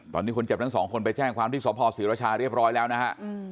ตอนนี้คนเจ็บทั้งสองคนไปแจ้งความที่สภศรีรชาเรียบร้อยแล้วนะฮะ